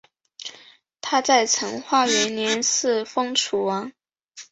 他在成化元年嗣封楚王。